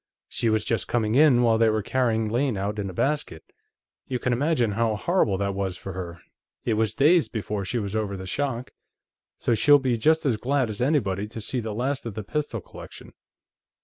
She was just coming in while they were carrying Lane out in a basket. You can imagine how horrible that was for her; it was days before she was over the shock. So she'll be just as glad as anybody to see the last of the pistol collection."